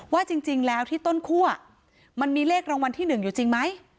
ว่าจริงแล้วที่ต้นคั่วมันมีเลขรางวัลที่๑อยู่จริงไหม